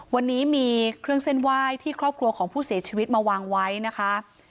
วันนี้มีเครื่องเส้นไหว้ที่ครอบครัวของผู้เสียชีวิตมาวางไว้นะคะ